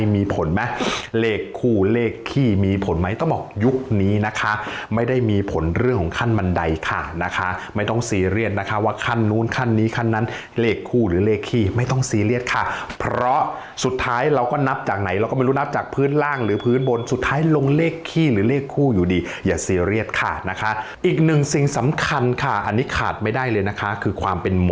มีผลไหมเลขคู่เลขขี้มีผลไหมต้องบอกยุคนี้นะคะไม่ได้มีผลเรื่องของขั้นบันไดขาดนะคะไม่ต้องซีเรียสนะคะว่าขั้นนู้นขั้นนี้ขั้นนั้นเลขคู่หรือเลขขี้ไม่ต้องซีเรียสค่ะเพราะสุดท้ายเราก็นับจากไหนเราก็ไม่รู้นับจากพื้นล่างหรือพื้นบนสุดท้ายลงเลขขี้หรือเลขคู่อยู่ดีอย่าซีเรียสขาดนะคะอีกหนึ่งสิ่งสำคัญค่ะอันนี้ขาดไม่ได้เลยนะคะคือความเป็นม